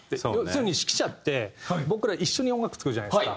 要するに指揮者って僕ら一緒に音楽作るじゃないですか。